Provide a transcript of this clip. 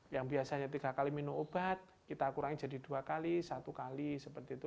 yang biasanya tiga kali minum obat kita kurangi jadi dua kali satu kali seperti itu